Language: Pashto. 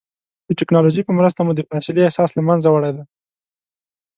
د ټکنالوجۍ په مرسته مو د فاصلې احساس له منځه وړی دی.